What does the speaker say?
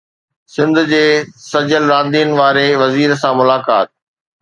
سنڌ جي سجيل راندين واري وزير سان ملاقات